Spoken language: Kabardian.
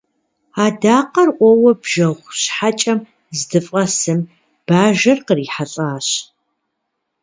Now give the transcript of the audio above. Адакъэр ӏуэуэ бжэгъу щхьэкӏэм здыфӏэсым, бажэр кърихьэлӏащ.